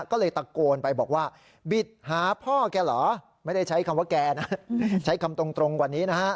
ก็เลยตะโกนไปบอกว่าบิดหาพ่อแกเหรอไม่ได้ใช้คำว่าแกนะใช้คำตรงกว่านี้นะฮะ